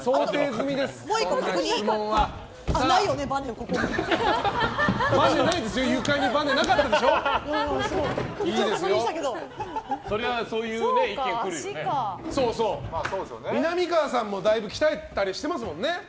みなみかわさんもだいぶ鍛えたりしてますもんね。